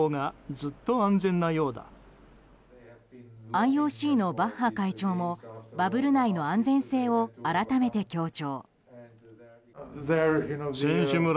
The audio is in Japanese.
ＩＯＣのバッハ会長もバブル内の安全性を改めて強調。